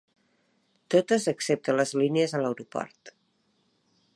Totes excepte les línies a l'aeroport.